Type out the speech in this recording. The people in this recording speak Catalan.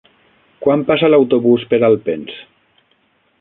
Quan passa l'autobús per Alpens?